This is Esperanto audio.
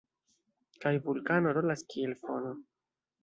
Kaj vulkano rolas kiel fono.